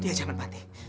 dia jangan mati